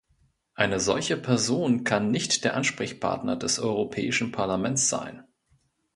Eine solche Person kann nicht der Ansprechpartner des Europäischen Parlaments sein.